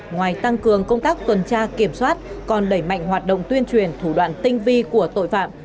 ngoài tăng cường công tác tuần tra kiểm soát còn đẩy mạnh hoạt động tuyên truyền thủ đoạn tinh vi của tội phạm